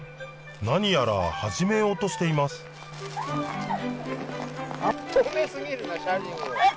何やら始めようとしていますあーっ！